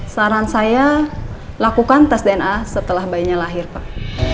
saran saya lakukan tes dna setelah bayinya lahir pak